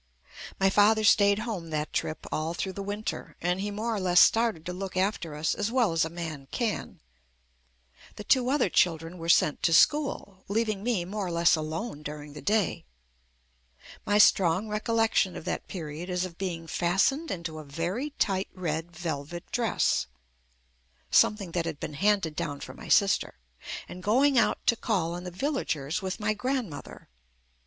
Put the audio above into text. My father stayed home that trip all througK the winter, and he more or less started to look after us as well as a man can. The two other children were sent to school, leaving me more or less alone during the day. My strong recol lection of that period is of being fastened into a very tight red velvet dress (something that had been handed down from my sister) and go ing out to call on the villagers with my grand mother.